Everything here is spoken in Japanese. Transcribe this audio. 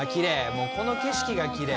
もうこの景色がきれい。